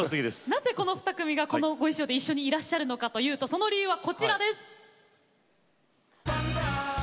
なぜこの２組が一緒にいらっしゃるのかというとその理由はこちらです。